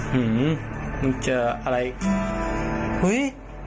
หือมึงเจออะไรเฮ้ย